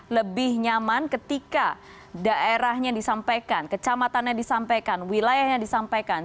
lebih nyaman ketika daerahnya disampaikan kecamatannya disampaikan wilayahnya disampaikan